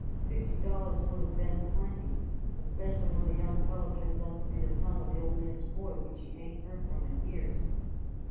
Fifty dollars would of been plenty, especially when the young feller turns out to be the son of the old man's boy which he ain't heard from in years."